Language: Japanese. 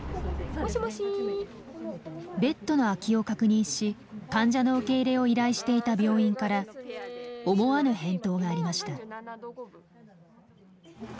ベッドの空きを確認し患者の受け入れを依頼していた病院から思わぬ返答がありました。